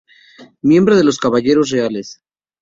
Miembro de los Caballeros Reales.